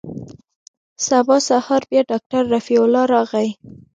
سبا سهار بيا ډاکتر رفيع الله راغى.